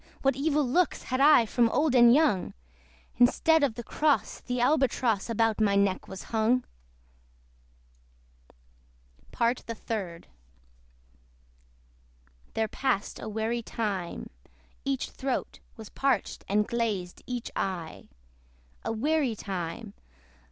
what evil looks Had I from old and young! Instead of the cross, the Albatross About my neck was hung. PART THE THIRD. There passed a weary time. Each throat Was parched, and glazed each eye. A weary time!